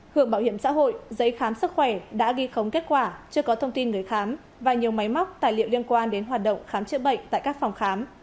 hưởng bảo hiểm xã hội giấy khám sức khỏe đã ghi khống kết quả chưa có thông tin người khám và nhiều máy móc tài liệu liên quan đến hoạt động khám chữa bệnh tại các phòng khám